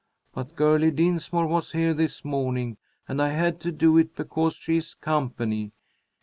But Girlie Dinsmore was here this morning, and I had to do it because she is company.